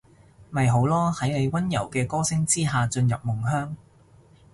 咪好囉，喺你溫柔嘅歌聲之下進入夢鄉